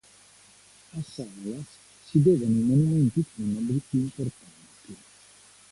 A Salas si devono i monumenti funebri più importanti.